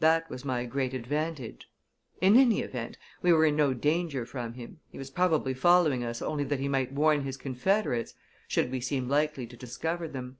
That was my great advantage. In any event, we were in no danger from him; he was probably following us only that he might warn his confederates, should we seem likely to discover them.